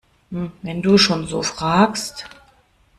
Wenn du schon so fragst!